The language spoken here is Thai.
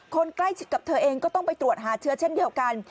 คนใกล้ชิดกับเธอเองก็ต้องไปตรวจหาเชื้อเช่นเดียวกัน